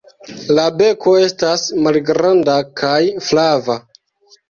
La beko estas malgranda kaj flava.